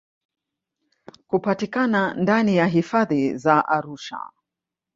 kupatikana ndani ya hifadhi za Arusha